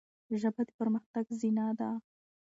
ژبه د پرمختګ زینه ده.